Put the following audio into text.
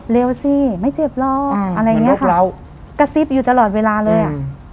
เร็วสิไม่เจ็บหรอกค่ะกะซิบอยู่ตลอดเวลาเลยอ่ะอืม